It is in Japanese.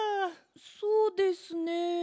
そうですね。